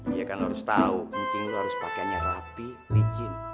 iya kan lo harus tau cing lo harus pakenya rapi licin